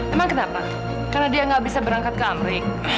emang kenapa karena dia nggak bisa berangkat ke amrik